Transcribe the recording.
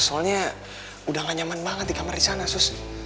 soalnya udah gak nyaman banget di kamar di sana susah